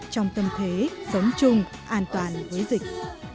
trong tâm thế sống chung an toàn với dịch